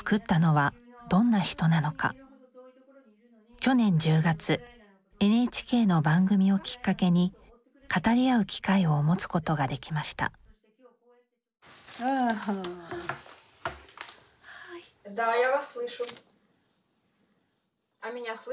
去年１０月ＮＨＫの番組をきっかけに語り合う機会を持つことができましたハーイ。